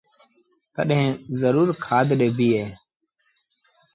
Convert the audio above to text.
تڏهيݩ زرور کآڌ ڏبيٚ اهي